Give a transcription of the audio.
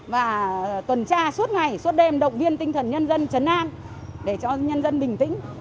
và tuần tra suốt ngày suốt đêm động viên tinh thần nhân dân chấn an để cho nhân dân bình tĩnh